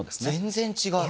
全然違う。